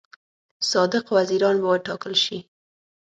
صادق وزیران به وټاکل شي.